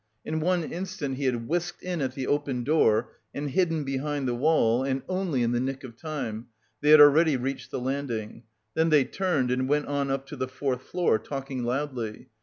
In one instant he had whisked in at the open door and hidden behind the wall and only in the nick of time; they had already reached the landing. Then they turned and went on up to the fourth floor, talking loudly.